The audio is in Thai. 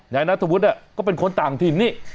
นายนัทธวุฒิก็เป็นคนต่างถิ่นนี่